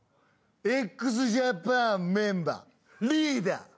ＸＪＡＰＡＮメンバーリーダー！